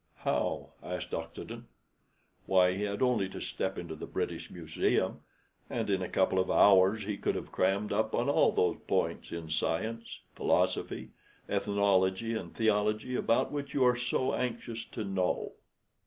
"How?" asked Oxenden. "Why, he had only to step into the British Museum, and in a couple of hours he could have crammed up on all those points in science, philosophy, ethnology, and theology, about which you are so anxious to know."